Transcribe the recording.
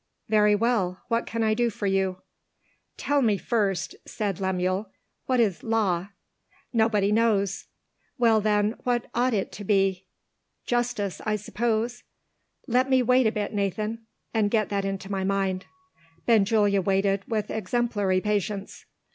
"Very well. What can I do for you?" "Tell me first," said Lemuel, "what is Law?" "Nobody knows." "Well, then, what ought it to be?" "Justice, I suppose." "Let me wait a bit, Nathan, and get that into my mind." Benjulia waited with exemplary patience.